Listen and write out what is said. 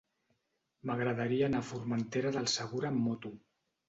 M'agradaria anar a Formentera del Segura amb moto.